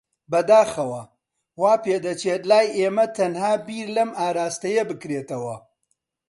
بەداخەوە، وا پێدەچێت لای ئێمە تەنها بیر لەم ئاراستەیە بکرێتەوە.